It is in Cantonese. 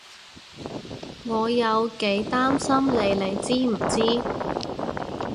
我有幾擔心你知唔知？